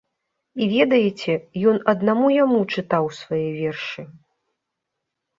І, ведаеце, ён аднаму яму чытаў свае вершы!